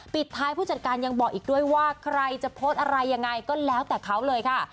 ปิดท้ายผู้จัดการยังบอกอีกด้วยว่าใครจะโพสต์อะไรยังไงก็แล้วแต่เขาเลยค่ะ